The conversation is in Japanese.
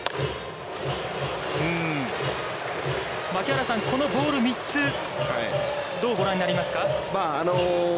槙原さん、このボール３つ、どうご覧になりますか。